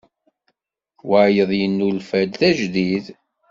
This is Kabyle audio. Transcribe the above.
Wayeḍ yennulfa-d d ajdid.